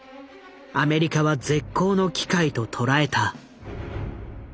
アメリカは絶好の機会と捉えた。